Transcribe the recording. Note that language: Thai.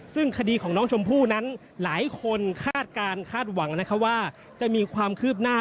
ซึ่งคดีของน้องชมพู่นั้นหลายคนคาดการณ์คาดหวังนะคะว่าจะมีความคืบหน้า